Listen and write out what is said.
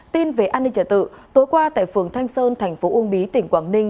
tin về an ninh trả tự tối qua tại phường thanh sơn thành phố uông bí tỉnh quảng ninh